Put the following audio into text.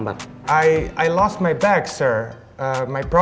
saya kehilangan bagaku pak